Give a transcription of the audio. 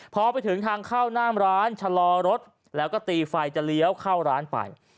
พอไปถึงทางเข้าหน้ามร้านชะลอรถแล้วก็ตีไฟจะเลี้ยวเข้าร้านไป